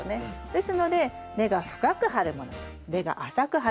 ですので根が深く張るものと根が浅く張るもの